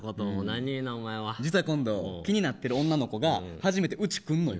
実は今度、気になってる女の子が初めて家に来るのよ。